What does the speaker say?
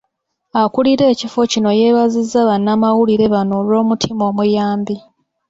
Akulira ekifo kino yeebazizza bannamawulire bano olw'omutima omuyambi.